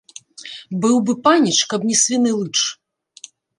Быў бы паніч, каб не свіны лыч